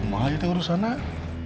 emang aja teh urusan nek